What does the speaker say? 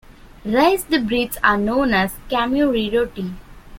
Raised breads are known as "khamiri roti".